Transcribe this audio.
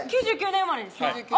９９年生まれですか？